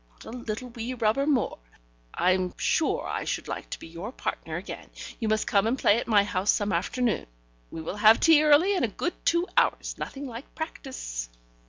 Not a little wee rubber more. I'm sure I should like to be your partner again. You must come and play at my house some afternoon. We will have tea early, and get a good two hours. Nothing like practice."